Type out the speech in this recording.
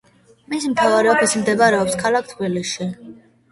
მისი მთავარი ოფისი მდებარეობს ქალაქ თბილისში.